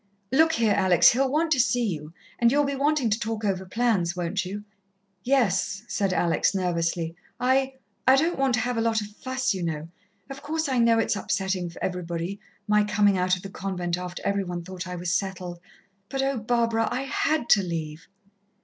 Look here, Alex, he'll want to see you and you'll be wanting to talk over plans, won't you?" "Yes," said Alex nervously. "I I don't want to have a lot of fuss, you know. Of course I know it's upsetting for everybody my coming out of the convent after every one thought I was settled. But, oh, Barbara! I had to leave!"